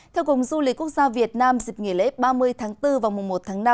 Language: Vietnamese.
theo cùng du lịch quốc gia việt nam dịp nghỉ lễ ba mươi tháng bốn và mùa một tháng năm